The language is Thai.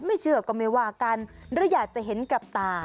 เชื่อก็ไม่ว่ากันหรืออยากจะเห็นกับตา